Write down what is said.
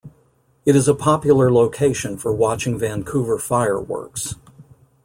It is a popular location for watching Vancouver fireworks.